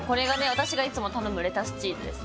私がいつも頼むレタスチーズです。